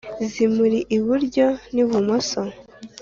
zimuri iburyo ni bumoso.